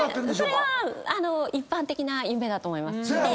それが一般的な夢だと思います。